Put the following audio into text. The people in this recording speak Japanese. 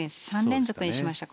３連続にしました。